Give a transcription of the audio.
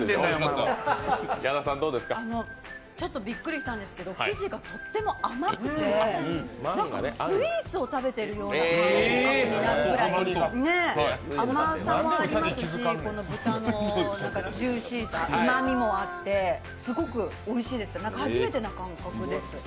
ちょっとびっくりしたんですけど、生地がとっても甘くてスイーツを食べてるような感覚になるぐらい、甘さもありますし、豚のジューシーさ、うまみもあってすごくおいしいです、初めての感覚です。